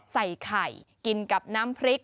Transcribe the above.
ใส่ไข่กินกับน้ำพริก